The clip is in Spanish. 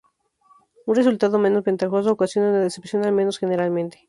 Un resultado menos ventajoso ocasiona una decepción, al menos generalmente.